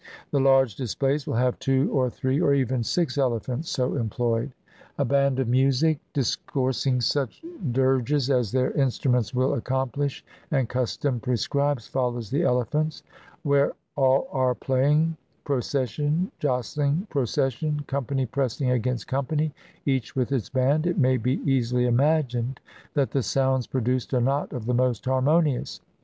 The large displays will have two or three, or even six elephants so employed. A band of 212 THE FESTIVAL OF THE MOHURRIM music, discoursing such dirges as their instruments will accomplish and custom prescribes, follows the elephants; — where all are playing, procession jostling proces sion, company pressing against company, each with its band, it may be easily imagined that the sounds pro duced are not of the most harmonious.